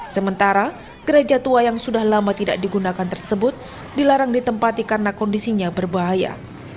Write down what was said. sementara gereja tua yang sudah lama tidak digunakan tersebut dilarang ditempati karena kondisinya berbahaya